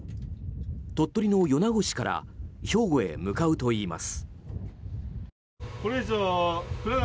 鳥取の米子市から兵庫へ向かうといいます。